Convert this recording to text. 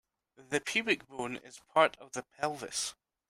The pubic bone is part of the pelvis.